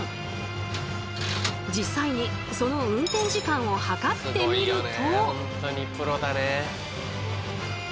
実際にその運転時間を計ってみると。